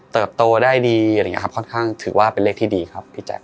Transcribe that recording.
โตได้ดีอะไรอย่างนี้ครับค่อนข้างถือว่าเป็นเลขที่ดีครับพี่แจ๊